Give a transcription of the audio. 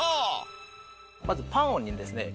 まずパンにですね